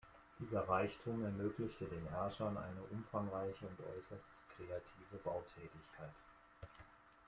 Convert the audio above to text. Dieser Reichtum ermöglichte den Herrschern eine umfangreiche und äußerst kreative Bautätigkeit.